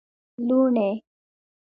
لوڼی